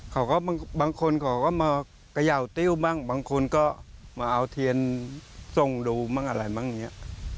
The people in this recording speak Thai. เขาก็บางคนเขาก็มากระย่าวติ้วบ้างบางคนก็มาเอาเทียนทรงดูบ้างอะไรบ้างเนี่ย